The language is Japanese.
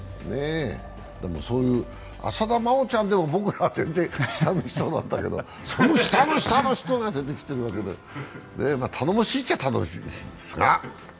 浅田真央ちゃんでも僕らは全然下の人なんだけど、その下の下の人が出てきてるわけで、頼もしいといえば頼もしいですが。